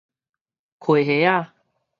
溪蝦仔